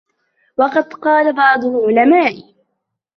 وَقَدْ قَالَ بَعْضُ الْعُلَمَاءِ